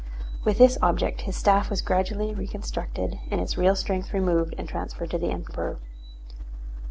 With this object his staff was gradually reconstructed and its real strength removed and transferred to the Emperor.